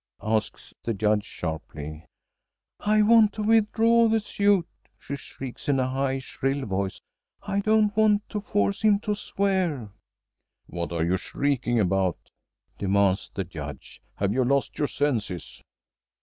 asks the Judge sharply. "I want to withdraw the suit," she shrieks in a high, shrill voice. "I don't want to force him to swear." "What are you shrieking about?" demands the Judge. "Have you lost your senses?"